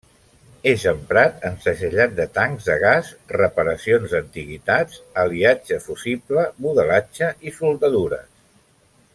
És emprat en segellat de tancs de gas, reparacions d'antiguitats, aliatge fusible, modelatge i soldadures.